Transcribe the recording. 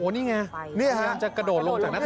โอ้นี่ไงจะกระโดดลงจากหน้าทาง